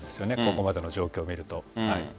ここまでの状況を見ると。